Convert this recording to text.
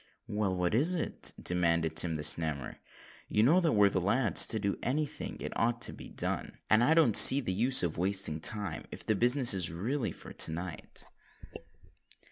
"Well, what is it?" demanded Tim the Snammer. "You know that we're the lads to do any thing it ought to be done; and I don't see the use of wasting time, if the business is really for to night."